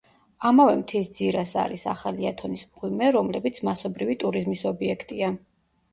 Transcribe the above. ამავე მთის ძირას არის ახალი ათონის მღვიმე, რომლებიც მასობრივი ტურიზმის ობიექტია.